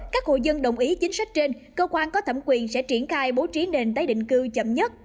các hội dân đồng ý chính sách trên cơ quan có thẩm quyền sẽ triển khai bố trí nền tái định cư chậm nhất